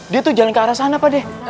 dia tuh jalan ke arah sana pak de